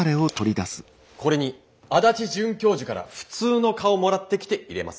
これに足立准教授から普通の蚊をもらってきて入れます。